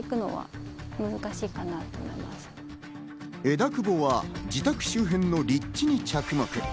枝久保は自宅周辺の立地に着目。